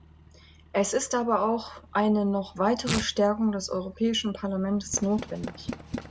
Es ist aber auch eine noch weitere Stärkung des Europäischen Parlaments notwendig.